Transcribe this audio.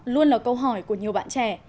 luôn là câu hỏi của nhiều bạn trẻ